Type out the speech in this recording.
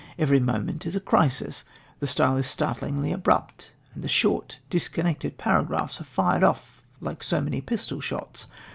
Every moment is a crisis. The style is startlingly abrupt, and the short, disconnected paragraphs are fired off like so many pistol shots.